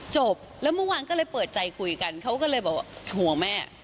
จบแล้วเมื่อวานก็เลยเปิดใจคุยกันเขาก็เลยบอกว่าห่วงแม่